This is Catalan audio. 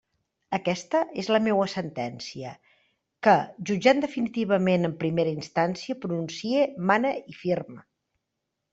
Aquesta és la meua sentència, que jutjant definitivament en primera instància pronuncie, mane i firme.